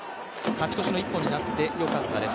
勝ち越しの１本になってよかったです。